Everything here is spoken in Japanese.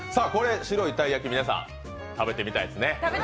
白いたい焼き、皆さん、食べてみたいですね。